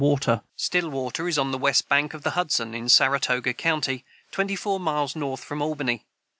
[Footnote 22: Stillwater is on the west bank of the Hudson, in Saratoga county, twenty four miles north from Albany.